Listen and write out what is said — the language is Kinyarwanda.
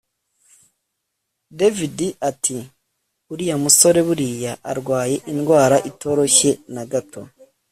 david ati uriya musore buriya arwaye indwara itoroshye nagato